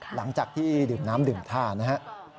หลังจากที่ดื่มน้ำดื่มท่านะครับ